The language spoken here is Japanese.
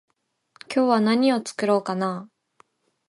今日は何を作ろうかな？